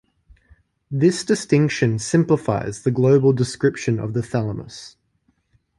This distinction simplifies the global description of the thalamus.